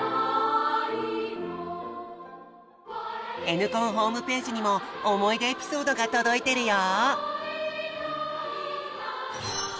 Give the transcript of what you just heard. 「Ｎコン」ホームページにも思い出エピソードが届いてるよ！